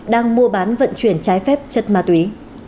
đang mua bán vận chuyển trái phép chất ma túy